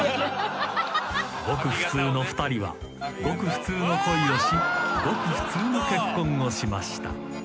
［ごく普通の２人はごく普通の恋をしごく普通の結婚をしました］